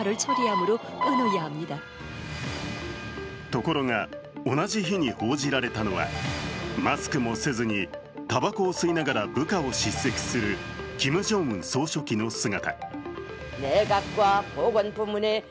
ところが同じ日に報じられたのはマスクもせずにたばこを吸いながら部下を叱責するキム・ジョンウン総書記の姿。